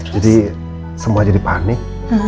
jadi semua jadi panik